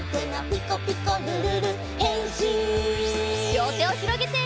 りょうてをひろげて！